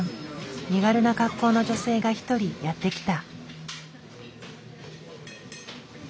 身軽な格好の女性が１人やって来た。